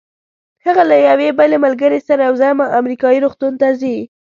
هغه له یوې بلې ملګرې سره یو ځای امریکایي روغتون ته ځي.